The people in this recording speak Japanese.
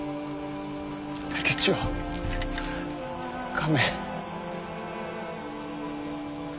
竹千代亀。